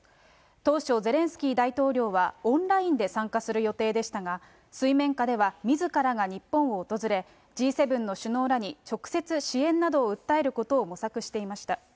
当初、ゼレンスキー大統領はオンラインで参加する予定でしたが、水面下ではみずからが日本を訪れ、Ｇ７の首脳らに、直接支援などを訴えることを模索していました。